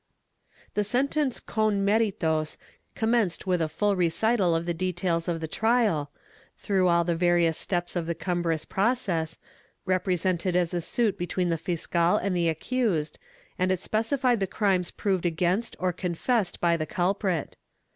The sentence con meritos commenced with a full recital of the details of the trial, through all the various steps of the cumbrous process, represented as a suit between the fiscal and the accused, and it specified the crimes proved against or confessed by the culprit.